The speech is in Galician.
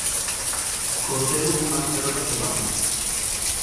Coceu unhas pelotas de barro.